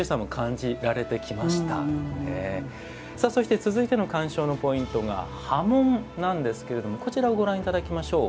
続いての鑑賞のポイントが刃文なんですがこちらをご覧いただきましょう。